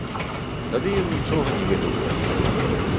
Тады ён нічога не ведаў пра бізнес.